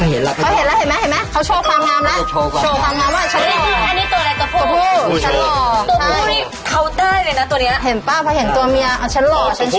อันนี้ตัวอะไรตะพู